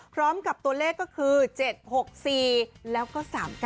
พร้อมกับตัวเลขก็คือ๗๖๔แล้วก็๓๙